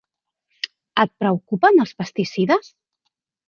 Et preocupen els pesticides?